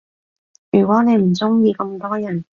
如果你唔鐘意咁多人